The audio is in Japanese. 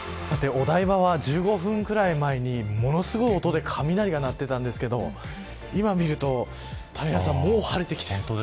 お台場は、１５分くらい前にものすごい音で雷が鳴っていたんですけれど今見ると、もう晴れてきている。